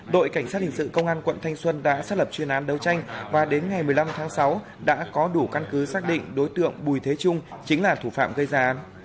đội cảnh sát hình sự công an quận thanh xuân đã xác lập chuyên án đấu tranh và đến ngày một mươi năm tháng sáu đã có đủ căn cứ xác định đối tượng bùi thế trung chính là thủ phạm gây ra án